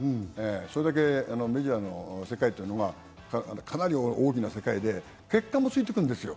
それだけメジャーの世界というのはかなり大きな世界で、結果もついてくるんですよ。